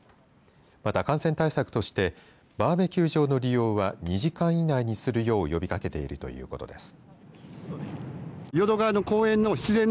また、感染対策としてバーベキュー場の利用は２時間以内にするよう呼びかけているということです。